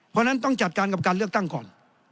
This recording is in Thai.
เพราะฉะนั้นต้องจัดการกับการเลือกตั้งก่อน